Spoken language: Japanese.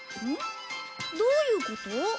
どういうこと？